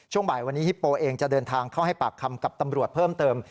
บ่ายวันนี้ฮิปโปเองจะเดินทางเข้าให้ปากคำกับตำรวจเพิ่มเติม